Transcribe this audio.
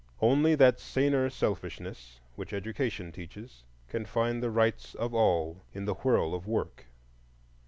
Only that saner selfishness, which Education teaches, can find the rights of all in the whirl of work.